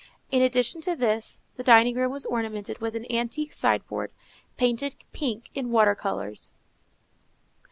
In addition to this the dining room was ornamented with an antique sideboard, painted pink, in water colors.